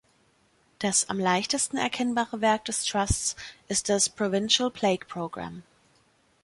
Das am leichtesten erkennbare Werk des Trusts ist das Provincial Plaque Program.